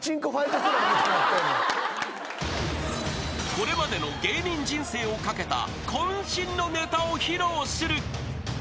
［これまでの芸人人生を懸けた渾身のネタを披露する］